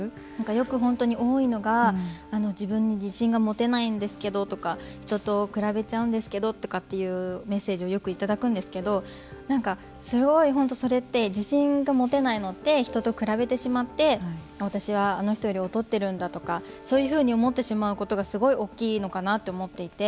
よく本当に多いのが自分に自信が持てないんですけどとか人と比べちゃうですけどというメッセージをよくいただくんですけどすごい本当、それって自信が持てないのって人と比べてしまって私はあの人より劣ってるんだとかそういうふうに思ってしまうことがすごい大きいのかなと思っていて。